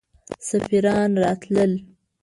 سفیران راتلل.